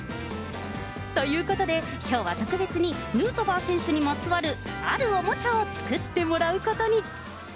ということで、きょうは特別に、ヌートバー選手にまつわるあるおもちゃを作ってもらうことに。